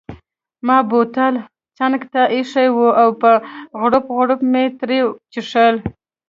ما بوتل څنګته ایښی وو او په غوړپ غوړپ مې ترې څیښل.